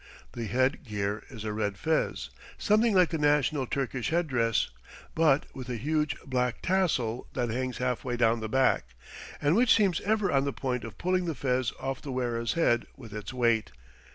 The head gear is a red fez, something like the national Turkish head dress, but with a huge black tassel that hangs half way down the back, and which seems ever on the point of pulling the fez off the wearer's head with its weight.